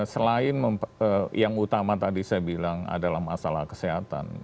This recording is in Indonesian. selain yang utama tadi saya bilang adalah masalah kesehatan